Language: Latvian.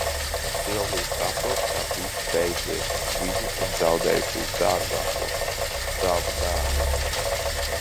Silvija saprot, ka viss beidzies, viņi ir zaudējuši visdārgāko, savu dēlu.